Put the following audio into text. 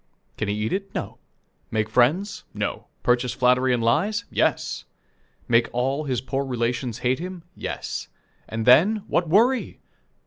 Can he eat it? No. Make friends? No. Purchase flattery and lies? Yes. Make all his poor relations hate him? Yes. And then, what worry!